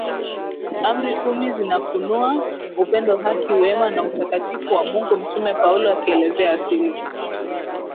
Amri kumi zinafunua Upendo haki wema na Utakatifu wa Mungu Mtume Paulo akielezea asili